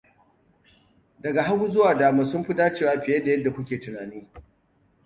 Daga hagu zuwa dama sun fi dacewa fiye da yadda ku ke tunani.